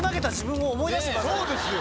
そうですよ。